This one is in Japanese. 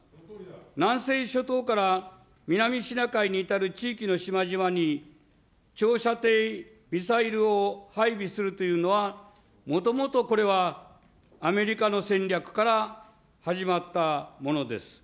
南西諸島から南シナ海に至る地域の島々に、長射程ミサイルを配備するというのは、もともとこれはアメリカの戦略から始まったものです。